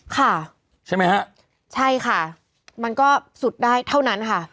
ค่ะใช่ไหมฮะใช่ค่ะมันก็สุดได้เท่านั้นค่ะ